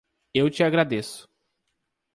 Eu te agradeço.